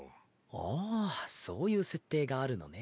ああそういう設定があるのね。